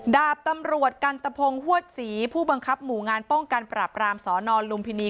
ดาบตำรวจกันตะพงฮวดศรีผู้บังคับหมู่งานป้องกันปราบรามสนลุมพินี